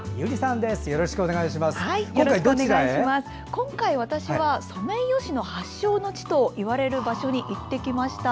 今回、私はソメイヨシノの発祥の地といわれているところへ行きました。